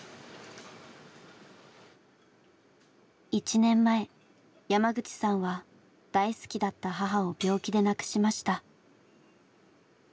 １年前山口さんは大好きだった母を病気で亡くしました。